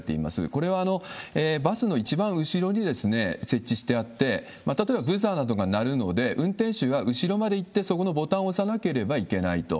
これはバスの一番後ろに設置してあって、例えばブザーなどが鳴るので、運転手が後ろまで行って、そこのボタンを押さなければいけないと。